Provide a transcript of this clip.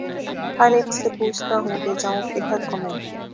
ہر اک سے پوچھتا ہوں کہ ’’ جاؤں کدھر کو میں